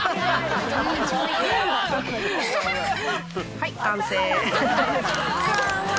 はい完成。